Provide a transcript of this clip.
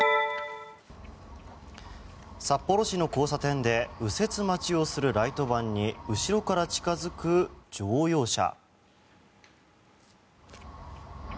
札幌市の交差点で右折待ちをするライトバンに後ろから近付く乗用車。